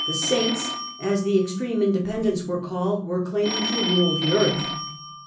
Saints ", as the extreme Independents were called, were claiming to rule the earth.